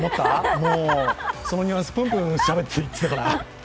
もう、そのニュアンスプンプンでしゃべってたから。